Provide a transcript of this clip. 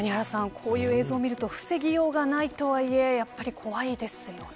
こういう映像を見ると防ぎようがないとはいえやっぱり怖いですよね。